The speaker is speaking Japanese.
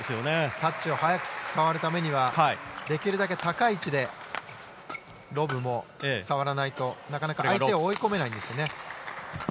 タッチを早く触るためにはできるだけ高い位置でロブも触らないとなかなか相手を追い込めないんですよね。